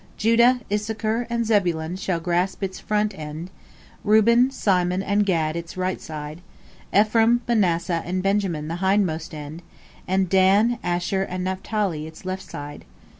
Judah, Issachar, and Zebulon shall grasp its front end, Reuben, Simon, and Gad its right side, Ephraim, Manasseh, and Benjamin the hindmost end, and Dan, Asher, and Naphtali its left side."